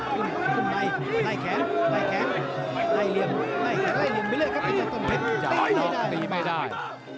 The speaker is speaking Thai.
อเจมส์จากต้นเผ็ดตีไม่ได้